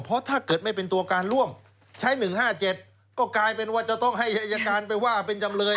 ก็กลายเป็นว่าจะต้องให้อัยการไปว่าเป็นจำเลย